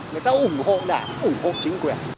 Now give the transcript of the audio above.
người ta ủng hộ đảng ủng hộ chính quyền